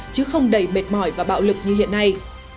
chứ không đầy mệt mỏi và bạo lực như hiện nay